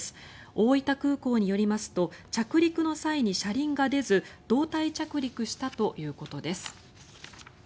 大分空港によりますと着陸の際に車輪が出ず胴体着陸したということです。